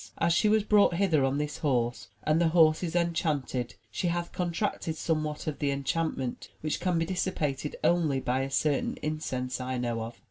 As she was brought hither on this horse and the horse is enchanted she hath contracted somewhat of the enchantment, which can be dissipated only by a certain incense I know of.